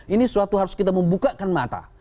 ini suatu harus kita membukakan mata